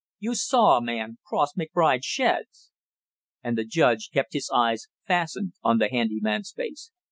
"You saw a man cross McBride's sheds?" And the judge kept his eyes fastened on the handy man's face.